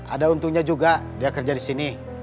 ada untungnya juga dia kerja di sini